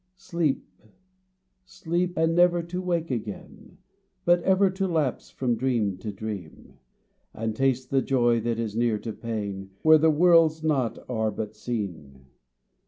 " Sleep, sleep, and never to wake again, But ever to lapse from dream to dream And taste the joy that is near to pain, Where the worlds not are but seem.